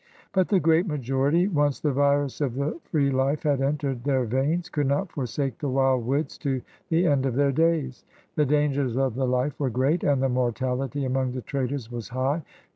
But the great majority, once the virus of the free life had entered their veins, could not forsake the wild woods to the end of their days. The dangers of the life were great, and the mortality among the traders was high.